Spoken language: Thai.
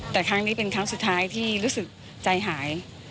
แต่ครั้งนี้เป็นครั้งสุดท้ายที่รู้สึกใจหาย